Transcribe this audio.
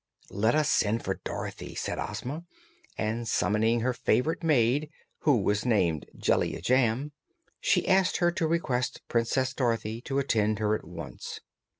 "Let us send for Dorothy," said Ozma, and summoning her favorite maid, who was named Jellia Jamb, she asked her to request Princess Dorothy to attend her at once.